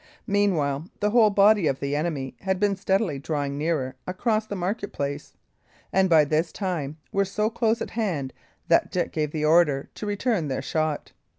Meantime the whole body of the enemy had been steadily drawing nearer across the market place; and by this time were so close at hand that Dick gave the order to return their shot.